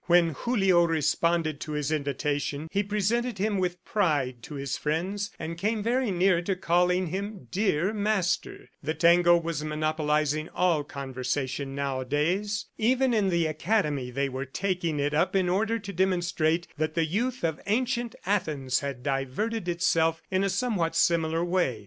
When Julio responded to his invitation, he presented him with pride to his friends, and came very near to calling him "dear master." The tango was monopolizing all conversation nowadays. Even in the Academy they were taking it up in order to demonstrate that the youth of ancient Athens had diverted itself in a somewhat similar way.